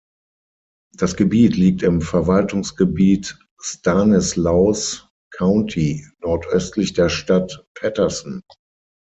Das Gebiet liegt im Verwaltungsgebiet Stanislaus County, nordöstlich der Stadt Patterson.